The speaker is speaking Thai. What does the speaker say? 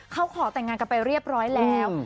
เขาขอแต่งงานกันไปเรียบร้อยแล้ว